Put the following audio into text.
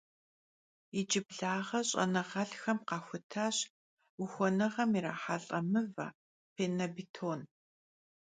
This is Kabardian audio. Yicıblağe ş'enığelh'xem khaxutaş vuxuenığem yirahelh'e mıve - pênobêton.